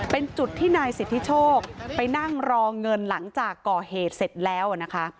เป็นจุดที่นายสิทธิโชคไปนั่งรอเงินหลังจากก่อเหตุเสร็จแล้วนะคะ